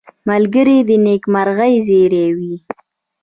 ملګری د نېکمرغۍ زېری وي